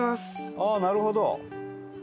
ああなるほど。